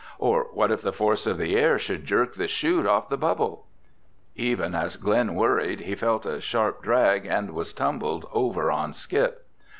Or what if the force of the air should jerk the chute off the bubble? Even as Glen worried, he felt a sharp drag and was tumbled over on Skip.